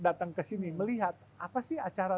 datang ke sini melihat apa sih acara